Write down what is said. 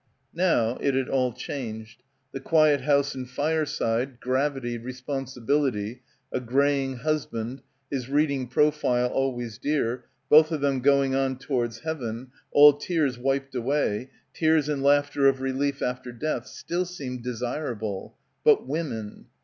Now it had all changed. The quiet house and fireside, gravity, responsibility, a greying husband, his reading profile always dear, both of them going on towards heaven, "all tears wiped away," tears and laughter of relief after death, still seemed desirable, but "women."